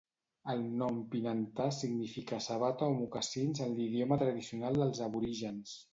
El nom Pinantah significa sabata o mocassins en l'idioma tradicional dels aborígens.